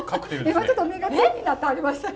今ちょっと目が点になってはりましたよ。